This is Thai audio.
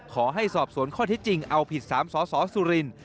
ขอให้สอบสวนข้อที่จริงเอาผิด๓สสสุรินทร์